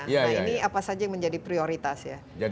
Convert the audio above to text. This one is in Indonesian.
nah ini apa saja yang menjadi prioritas ya